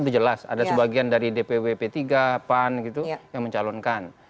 itu jelas ada sebagian dari dpw p tiga pan gitu yang mencalonkan